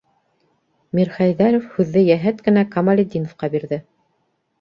Мирхәйҙәров һүҙҙе йәһәт кенә Камалетдиновҡа бирҙе.